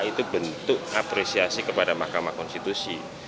itu bentuk apresiasi kepada mahkamah konstitusi